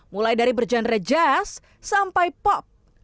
mulai dari bergenre jazz sampai pop